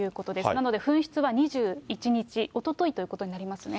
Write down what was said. なので紛失は２１日おとといということになりますね。